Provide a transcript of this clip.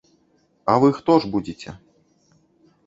А вы хто ж будзеце?